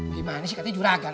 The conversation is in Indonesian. gimana sih katanya juragan